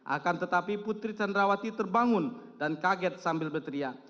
akan tetapi putri candrawati terbangun dan kaget sambil berteriak